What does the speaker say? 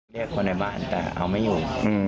เรียกคนในบ้านแต่เอาไม่อยู่